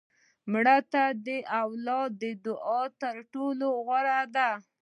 مړه ته د اولاد دعا تر ټولو غوره ده